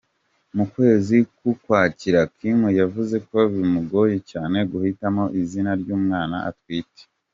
Mu kwezi k'Ukwakira, Kim yavuze ko bimugoye cyane guhitamo izina ry'umwana atwite.